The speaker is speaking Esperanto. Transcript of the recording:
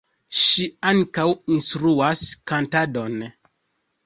Ŝi ankaŭ instruas kantadon.